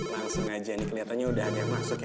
langsung aja nih keliatannya udah ada yang masuk ya